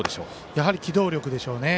やはり機動力でしょうね。